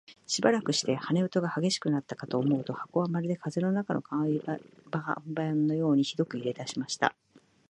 しばらくして、羽音が烈しくなったかと思うと、箱はまるで風の中の看板のようにひどく揺れだしました。